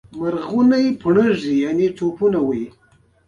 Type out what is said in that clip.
د موږکانو لپاره کوم زهر وکاروم؟